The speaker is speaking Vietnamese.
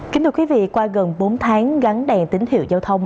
kính thưa quý vị qua gần bốn tháng gắn đèn tín hiệu giao thông